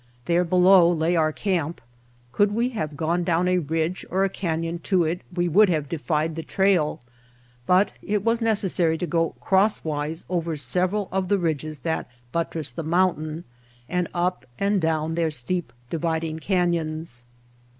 There below lay our camp. Could we have gone down a ridge or a canyon to it we would have defied the trail, but it was necessary to go crosswise over several of the ridges that but tress the mountain, and up and down their steep dividing canyons.